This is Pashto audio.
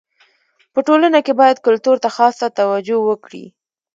په ټولنه کي باید کلتور ته خاصه توجو وکړي.